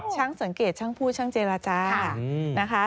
ช่างสังเกตช่างพูดช่างเจรจา